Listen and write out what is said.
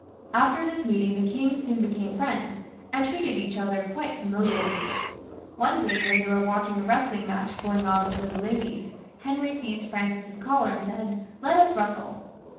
After this meeting the kings soon became friends, and treated each other quite familiarly. One day when they were watching a wrestling match going on before the ladies, Henry seized Francis's collar and said, "Let us wrestle."